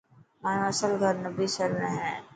مايو اصل گھر نبصر ۾ هي.